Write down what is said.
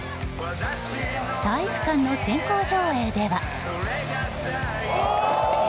体育館の先行上映では。